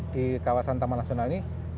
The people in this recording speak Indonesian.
di kawasan taman nasional ini